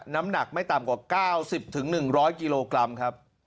น้ำหนักไม่ต่ำกว่า๙๐๑๐๐กิโลกรัมครับ